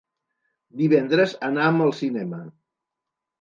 Divendres anam al cinema.